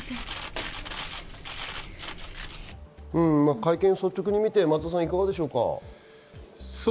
会見を率直に見ていかがでしょうか？